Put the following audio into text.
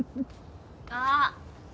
・あっ。